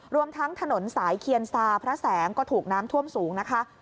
รวมทั้งถนนสายเคียนซาพระแสงก็ถูกน้ำท่วมสูงนะคะ